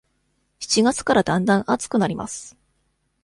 七月からだんだん暑くなります。